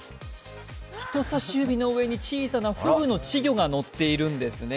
人さし指の上に小さなふぐの稚魚がのっているんですね。